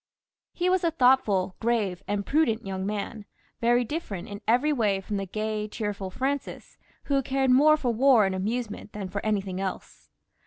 He was a thoughtful, grave, and prudent young man, very different in every way from the gay, cheerful Francis, who cared more for war and amusement than for anything else.